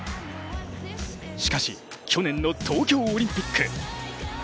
しかし、去年の東京オリンピック。